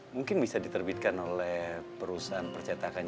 mungkin bisa diterbitkan oleh perusahaan percetakan